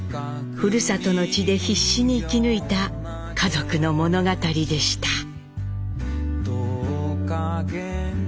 ふるさとの地で必死に生き抜いた家族の物語でした。